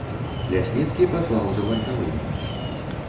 Лясніцкі паслаў за вартавымі.